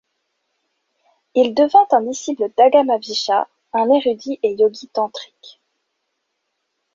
Il devint un disciple d'Agamavisha, un érudit et Yogi tantrique.